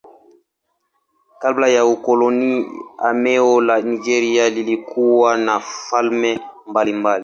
Kabla ya ukoloni eneo la Nigeria lilikuwa na falme mbalimbali.